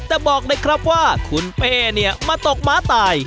แต่บอกเลยครับว่าคุณเป้เนี่ยมาตกม้าตาย